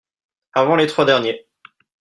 avant les trois derniers